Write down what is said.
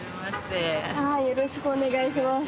よろしくお願いします。